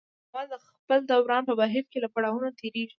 پانګوال د خپل دوران په بهیر کې له پړاوونو تېرېږي